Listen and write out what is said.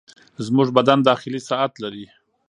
زموږ بدن داخلي ساعت لري.